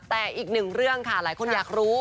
แต่อีกหนึ่งเรื่องค่ะหลายคนอยากรู้